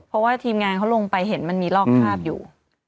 เพราะว่าทีมงานเขาลงไปเห็นมันมีลอกภาพอยู่